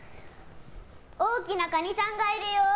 大きなカニさんがいるよ。